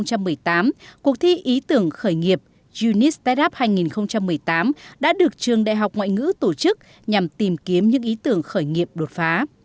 tháng bốn năm hai nghìn một mươi tám cuộc thi ý tưởng khởi nghiệp unicef hai nghìn một mươi tám đã được trường đại học ngoại ngữ tổ chức nhằm tìm kiếm những ý tưởng khởi nghiệp đột phá